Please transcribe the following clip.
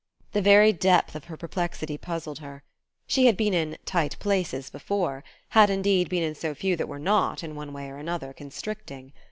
The very depth of her perplexity puzzled her. She had been in "tight places" before; had indeed been in so few that were not, in one way or another, constricting!